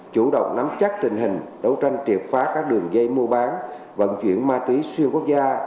chủ động nắm chắc tình hình đấu tranh triệt phá các đường dây mua bán vận chuyển ma túy xuyên quốc gia